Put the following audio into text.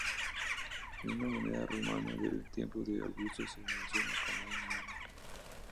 En una moneda romana del tiempo de Augusto se la menciona como "Mun.